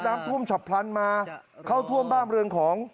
น้ำท่วมฉับพลันมาเข้าท่วมบ้านเรือนของ